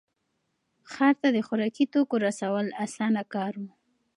ښار ته د خوراکي توکو رسول اسانه کار و.